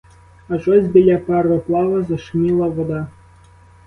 Аж ось біля пароплава зашуміла вода.